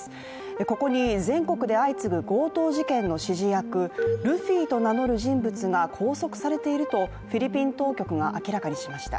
ここに、全国で相次ぐ強盗事件の指示役ルフィと名乗る人物が拘束されているとフィリピン当局が明らかにしました。